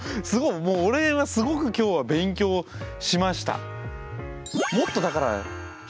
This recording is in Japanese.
もう俺はすごく今日は勉強しました。